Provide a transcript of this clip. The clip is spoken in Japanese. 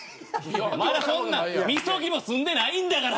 まだそんなみそぎも済んでないんだから！